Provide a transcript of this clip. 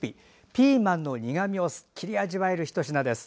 ピーマンの苦みをすっきり味わえるひと品です。